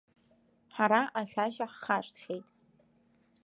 Ҳара ашәашьа ҳхашҭхьеит.